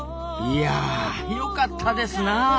いやよかったですなあ。